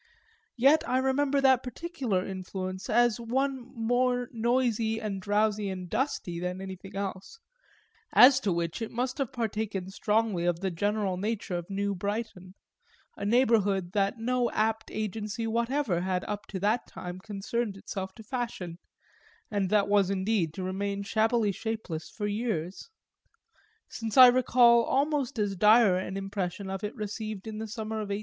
Yet I remember that particular influence as more noisy and drowsy and dusty than anything else as to which it must have partaken strongly of the general nature of New Brighton; a neighbourhood that no apt agency whatever had up to that time concerned itself to fashion, and that was indeed to remain shabbily shapeless for years; since I recall almost as dire an impression of it received in the summer of 1875.